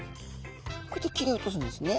こうやって切り落とすんですね。